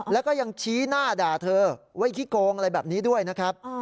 แล้วก็ยังชี้หน้าด่าเธอไว้ขี้โกงอะไรแบบนี้ด้วยนะครับ